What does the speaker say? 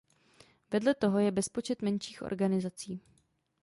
Vedle toho je bezpočet menších organizací.